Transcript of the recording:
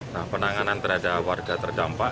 nah penanganan terhadap warga terdampak